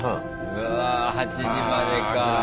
うわ８時までか。